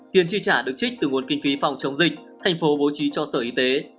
tiền chi trả được trích từ nguồn kinh phí phòng chống dịch thành phố bố trí cho sở y tế